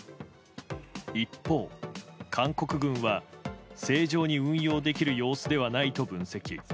一方、韓国軍は正常に運用できる様子ではないと分析。